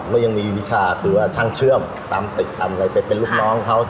ก็ยังมีวิชาคือว่าช่างเชื่อมตามตึกตามอะไรไปเป็นลูกน้องเขา